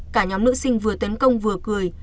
cả nhóm nữ sinh vừa tấn công vừa cười